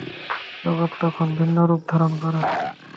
জগৎ তখন ভিন্নরূপ ধারণ করে।